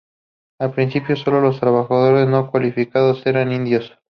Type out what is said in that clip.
Al principio, sólo los trabajadores no cualificados eran indios.